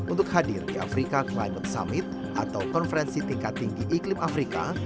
untuk hadir di afrika climate summit atau konferensi tingkat tinggi iklim afrika